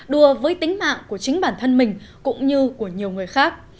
đùa với tính mạng của chính bản thân mình cũng như của nhiều người khác